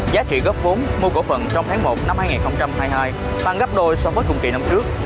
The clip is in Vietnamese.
giá trị góp vốn mua cổ phần trong tháng một năm hai nghìn hai mươi hai tăng gấp đôi so với cùng kỳ năm trước